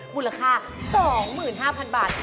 มูลค่า๒๕๐๐๐บาท